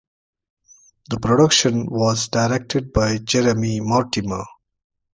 The production was directed by Jeremy Mortimer.